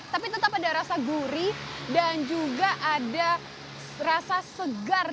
tapi tetap ada rasa gurih dan juga ada rasa segar